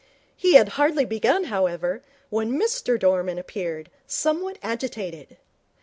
He had hardly begun, however, when Mr Dorman appeared, somewhat agitated.